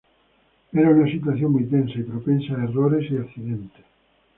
Era una situación muy tensa y propensa a errores y accidentes.